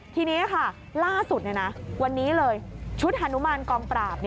ทีนี้ค่ะล่าสุดวันนี้เลยชุดฮานุมานกองปราบ